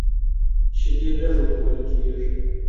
شیدې لږ ورکول کېږي.